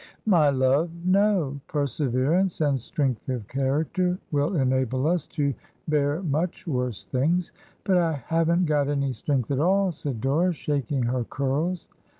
... 'My love, no. Perseverance and strength of character will enable us to bear much worse things.' 'But I haven't got any strength at all/ said Dora, shaking her curls.